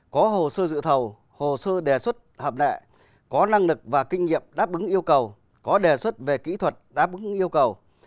có hồ sơ dự thầu hồ sơ đề xuất hợp lệ có năng lực và kinh nghiệm đáp ứng yêu cầu có đề xuất về kỹ thuật đáp ứng yêu cầu